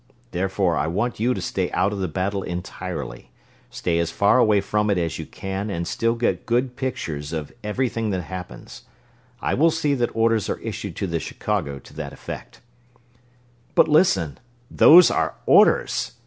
Therefore I want you to stay out of the battle entirely. Stay as far away from it as you can and still get good pictures of everything that happens. I will see that orders are issued to the Chicago to that effect." "But listen ..." "Those are orders!"